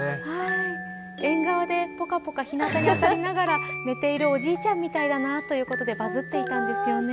縁側でポカポカひなたで寝ているおじいちゃんみたいだなということでバズっていたんですよね。